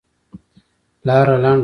لاره لنډه ده.